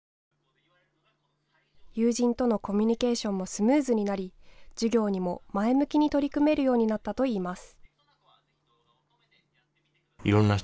友人とのコミュニケーションもスムーズになり、授業にも前向きに取り組めるようになったといいます。